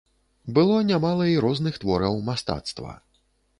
Было нямала і розных твораў мастацтва.